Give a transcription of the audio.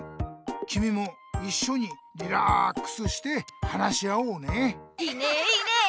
きみもいっしょにリラックスして話し合おうね！いいねいいね！